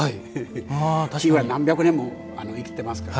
木は何百年も生きていますから。